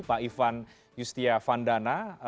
pak ivan yustia vandana